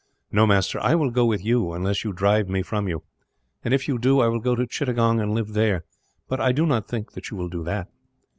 No, master, I will go with you, unless you drive me from you; if you do, I will go to Chittagong, and live there, but I do not think that you will do that."